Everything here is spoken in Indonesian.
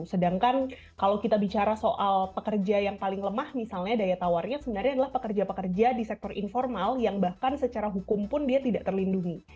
sedangkan kalau kita bicara soal pekerja yang paling lemah misalnya daya tawarnya sebenarnya adalah pekerja pekerja di sektor informal yang bahkan secara hukum pun dia tidak terlindungi